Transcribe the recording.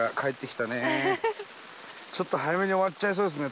「ちょっと早めに終わっちゃいそうですね」